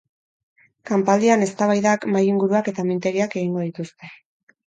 Kanpaldian eztabaidak, mahai-inguruak eta mintegiak egingo dituzte.